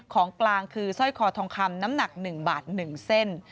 ของกลางคือสร้อยคอทองคำน้ำหนัก๑บาท๑เส้น